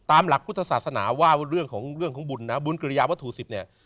ตามหลักพุทธศาสนาว่าเรื่องของบุญนะบุญกริยวทู่๑๐เนี่ย